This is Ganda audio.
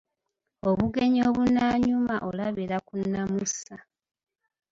Obugenyi obunaanyuma, olabira ku nnamusa.